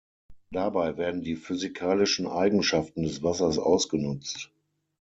Dabei werden die physikalischen Eigenschaften des Wassers ausgenutzt.